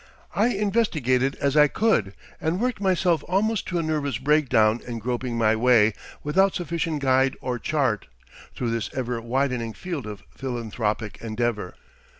I investigated as I could, and worked myself almost to a nervous break down in groping my way, without sufficient guide or chart, through this ever widening field of philanthropic endeavour.